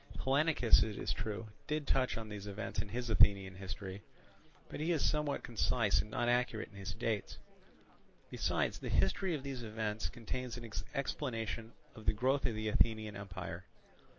Hellanicus, it is true, did touch on these events in his Athenian history; but he is somewhat concise and not accurate in his dates. Besides, the history of these events contains an explanation of the growth of the Athenian empire.